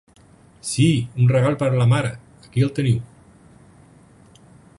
Sí, un regal per a la mare, aquí el teniu!